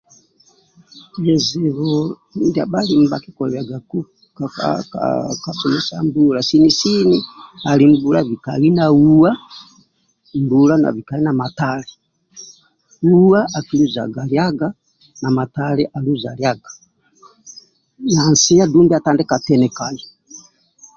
Bizibu ndia bhalimi bhakikoliliagaku ali mbula bikai na huwa mbula bikai na matali huwa akiluzaga liaga na matali akiluzaga liaga nsia dumbi atandika tinikai